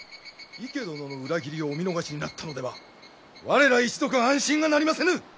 池殿の裏切りをお見逃しになったのでは我ら一族安心がなりませぬ！